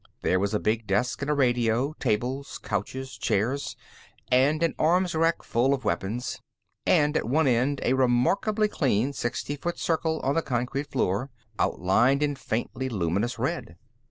There was a big desk and a radio; tables, couches, chairs and an arms rack full of weapons, and at one end, a remarkably clean sixty foot circle on the concrete floor, outlined in faintly luminous red.